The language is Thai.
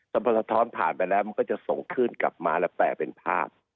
แต่พอสะท้อนผ่านไปแล้วมันก็จะส่งขึ้นกลับมาแล้วแปลเป็นภาพ